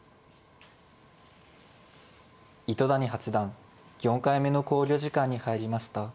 糸谷八段４回目の考慮時間に入りました。